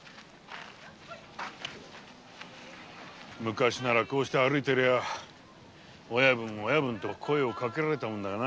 昔ならこうして歩いてりゃ「親分」と声をかけられたもんだがな。